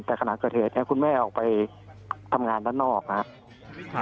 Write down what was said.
แต่ขณะเกิดเหตุเนี่ยคุณแม่ออกไปทำงานด้านนอกนะครับ